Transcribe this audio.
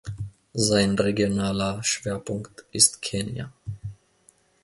Sein regionaler Schwerpunkt ist Kenia.